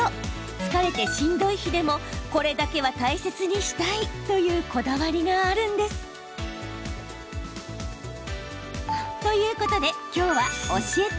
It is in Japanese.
疲れてしんどい日でもこれだけは大切にしたい！という、こだわりがあるんです。ということで、今日は教えて！